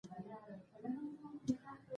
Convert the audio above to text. همداسې افرينى يې هم را کوه .